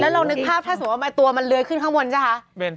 เรานึกภาพถ้าสมมุติว่าตัวมันเลื้อยขึ้นข้างบนใช่ไหมคะ